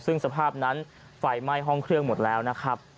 ซึ่งสภาพนั้นไฟไหม้ห้องเครื่องหมดแล้วนะครับ